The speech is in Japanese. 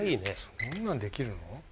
そんなんできるの？